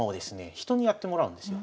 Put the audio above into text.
人にやってもらうんですよ。